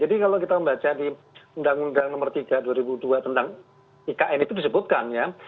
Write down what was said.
jadi kalau kita membaca di undang undang nomor tiga dua ribu dua tentang ikn itu disebutkan ya